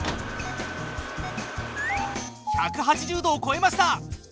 １８０度をこえました！